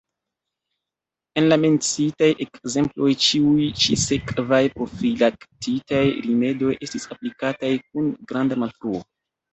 En la menciitaj ekzemploj ĉiuj ĉi-sekvaj profilaktikaj rimedoj estis aplikataj kun granda malfruo.